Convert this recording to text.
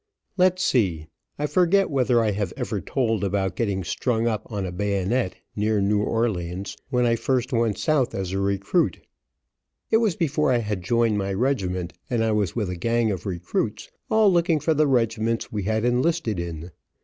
Let's see, I forget whether I have ever told about getting strung up on a bayonet, near New Orleans, when I first went south as a recruit. It was before I had joined my regiment, and I was with a gang of recruits, all looking for the regiments we had enlisted in.